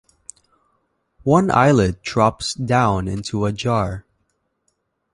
One eyelid drops down into a jar.